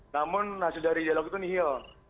namun nasib dari dialog itu nihil